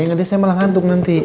ngedes saya malah ngantuk nanti